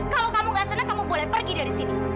kalau kamu gak senang kamu boleh pergi dari sini